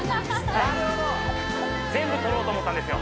なるほど全部取ろうと思ったんですよ